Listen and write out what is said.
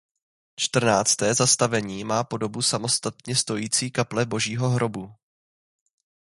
Čtrnácté zastavení má podobu samostatně stojící kaple Božího hrobu.